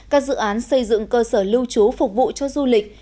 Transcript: các dự án xây dựng cơ sở lưu trú phục vụ cho du lịch